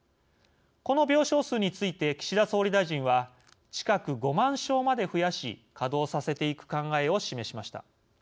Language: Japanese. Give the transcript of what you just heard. この病床数について岸田総理大臣は近く５万床まで増やし稼働させていく考えを示しました。